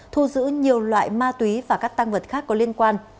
thu giữ nhiều loại ma túy và các tăng vật khác có liên quan